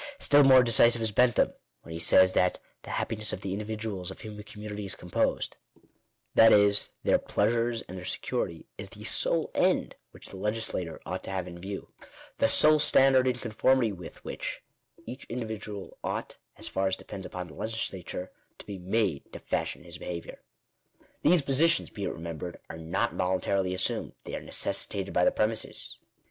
Still more decisive is Bentham, when he says that " the happiness of the individuals of whom a com munity is composed, that is, their pleasures and their security, is the sole end which the legislator ought to have in view ; the sole standard in conformity with which each individual ought, as far as depends upon the legislature, to be made to fashion his behaviour." These positions, be it remembered, are not voluntarily assumed; they are necessitated by the premises.